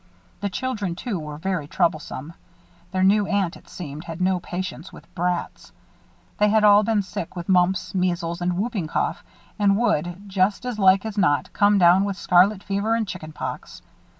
The children, too, were very troublesome. Their new aunt, it seemed, had no patience with "brats." They had all been sick with mumps, measles, and whooping cough and would, just as like as not, come down with scarlet fever and chicken pox.